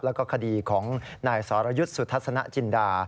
แล้วก็คดีของนายสรยุทธ์สุทัศนจินดา